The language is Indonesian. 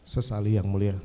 sesali yang mulia